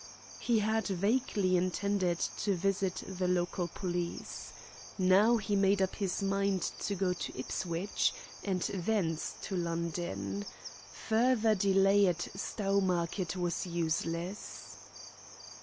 He had vaguely intended to visit the local police. Now he made up his mind to go to Ipswich and thence to London. Further delay at Stowmarket was useless.